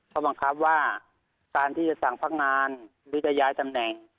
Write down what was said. เขาบังคับว่าการที่จะสั่งพักงานหรือจะย้ายตำแหน่ง